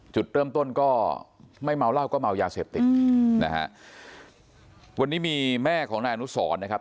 จุดเริ่มต้นก็ไม่เมาเหล้าก็เมายาเสพติดนะฮะวันนี้มีแม่ของนายอนุสรนะครับ